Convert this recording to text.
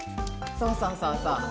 そうそうそうそう。